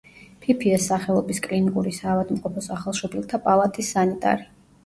ფიფიას სახელობის კლინიკური საავადმყოფოს ახალშობილთა პალატის სანიტარი.